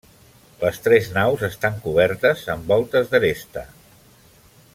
Les tres naus estan cobertes amb voltes d'aresta.